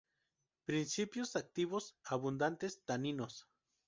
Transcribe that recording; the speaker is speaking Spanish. Principios activos: Abundantes taninos.